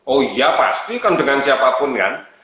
oh iya pasti kan dengan siapapun kan